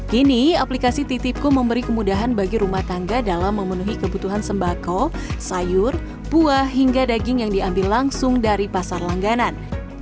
kini aplikasi titipku memberi kemudahan bagi rumah tangga dalam memenuhi kebutuhan sembako sayur buah hingga daging yang diambil langsung dari pasar langganan